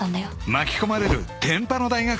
［巻き込まれる天パの大学生］